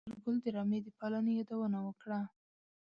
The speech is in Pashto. شېرګل د رمې د پالنې يادونه وکړه.